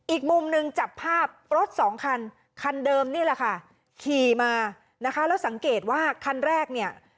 อีกมุมหนึ่งจับภาพรถสองคันคันเดิมนี่แหละค่ะขี่มานะคะแล้วสังเกตว่าคันแรกเนี่ย